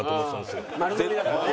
丸のみだからね。